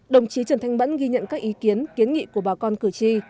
đồng chí trần thanh mẫn ghi nhận các ý kiến kiến nghị của bà con cử tri